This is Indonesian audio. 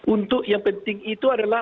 untuk yang penting itu adalah